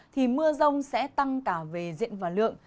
thì mưa rông sẽ tăng cả về diện và lượng